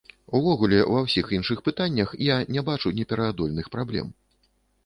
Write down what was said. Увогуле, ва ўсіх іншых пытаннях я не бачу непераадольных праблем.